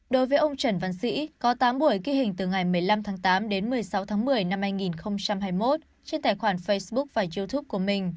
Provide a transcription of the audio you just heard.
đối với ông trần văn sĩ có tám buổi ghi hình từ ngày một mươi năm tháng tám đến một mươi sáu tháng một mươi năm hai nghìn hai mươi một trên tài khoản facebook và youtube của mình